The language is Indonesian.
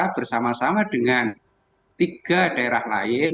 bersama sama dengan tiga daerah lain